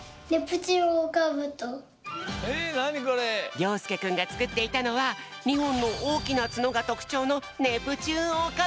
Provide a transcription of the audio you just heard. りょうすけくんがつくっていたのは２ほんのおおきなツノがとくちょうのネプチューンオオカブト！え！？